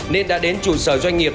nên đã đến chủ sở doanh nghiệp